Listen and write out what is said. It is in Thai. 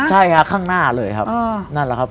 ใช่ครับข้างหน้าเลยครับ